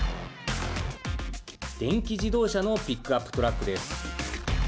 電気自動車のピックアップトラックです。